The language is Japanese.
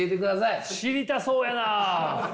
知りたそうやな！